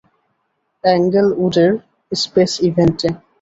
এঙ্গেলউডের space ইভেন্টে।